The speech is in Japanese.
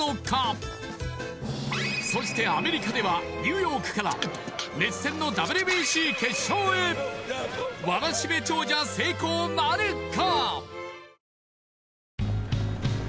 そしてアメリカではニューヨークから熱戦のＷＢＣ決勝へわらしべ長者成功なるか？